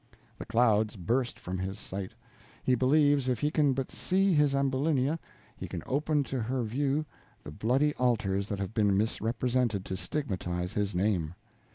The clouds burst from his sight; he believes if he can but see his Ambulinia, he can open to her view the bloody altars that have been misrepresented to stigmatize his name.